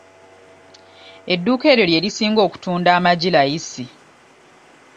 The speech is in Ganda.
Edduuka eryo lye lisinga okutunda amagi layisi.